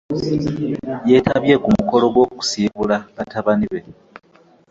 Yeetabye ku mukolo ogw'okusiibula batabani be.